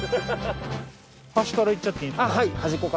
端からいっちゃっていいですか？